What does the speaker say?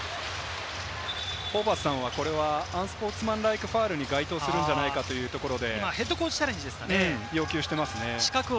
ホーバスさんは、これはアンスポーツマンライクファウルに該当するんじゃないかというところで、要求していますね。